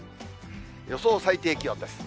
予想最低気温です。